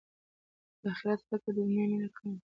د اخرت فکر د دنیا مینه کموي.